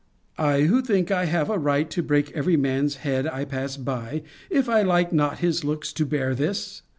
I, who think I have a right to break every man's head I pass by, if I like not his looks, to bear this!